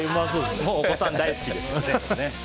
お子さん大好きですので。